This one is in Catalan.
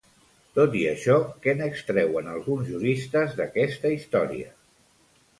Tot i això, què n'extreuen alguns juristes d'aquesta història?